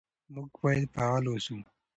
موږ باید فعال اوسو.